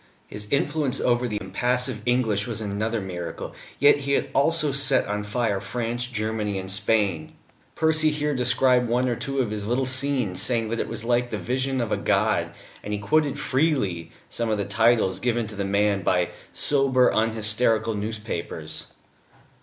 His influence over the impassive English was another miracle, yet he had also set on fire France, Germany, and Spain. Percy here described one or two of his little scenes, saying that it was like the vision of a god: and he quoted freely some of the titles given to the Man by sober, unhysterical newspapers.